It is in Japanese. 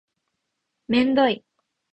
めんどい